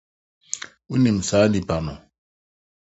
Wunim saa nipa no?